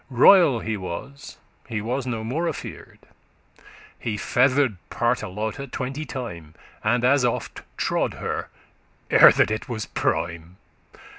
Royal he was, he was no more afear'd; He feather'd Partelote twenty time, And as oft trode her, ere that it was prime.